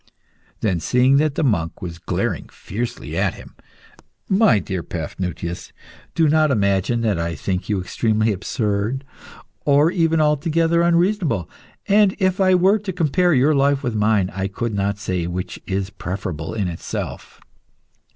Then, seeing that the monk was glaring fiercely at him "My dear Paphnutius, do not imagine that I think you extremely absurd, or even altogether unreasonable. And if I were to compare your life with mine, I could not say which is preferable in itself.